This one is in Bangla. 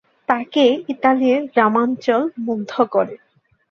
তাকে ইতালির গ্রামাঞ্চল মুগ্ধ করে।